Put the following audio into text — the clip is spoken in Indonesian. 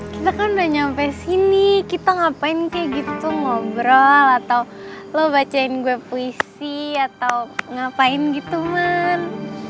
kita kan udah nyampe sini kita ngapain kayak gitu ngobrol atau lo bacain gue puisi atau ngapain gitu man